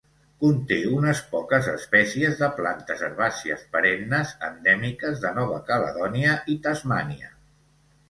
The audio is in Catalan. Conté unes poques espècies de plantes herbàcies perennes endèmiques de Nova Caledònia i Tasmània.